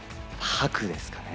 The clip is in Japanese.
ハクですかね？